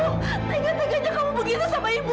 tengah tengahnya kamu begitu sama ibu